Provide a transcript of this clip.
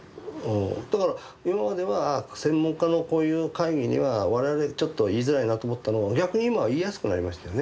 だから今までは専門家のこういう会議には我々ちょっと言いづらいなと思ったのを逆に今は言いやすくなりましたよね。